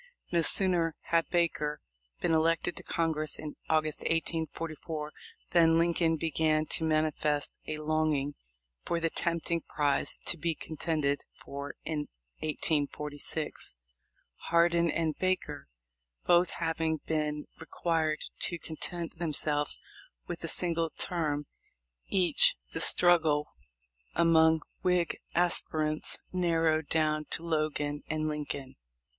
No sooner had Baker been elected to Congress in August, 1844, than Lincoln began to manifest a longing for the tempting prize to be contended for in 1846. Hardin and Baker both having been required to content themselves with a single term each, the struggle among Whig aspirants narrowed down to Logan and Lincoln.